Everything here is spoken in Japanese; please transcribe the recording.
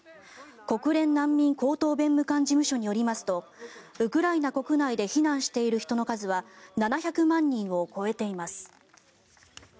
国連難民高等弁務官事務所によりますとウクライナ国内で避難している人の数は７００万人を超えています。